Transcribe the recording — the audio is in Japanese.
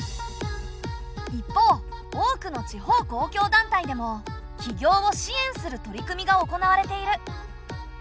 一方多くの地方公共団体でも起業を支援する取り組みが行われている。